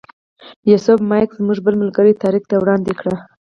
یوسف مایک زموږ بل ملګري طارق ته وړاندې کړ.